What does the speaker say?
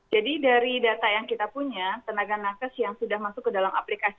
jadi dari data yang kita punya tenaga nakes yang sudah masuk ke dalam aplikasi